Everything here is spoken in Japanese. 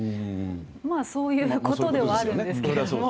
そういうことではあるんですけど。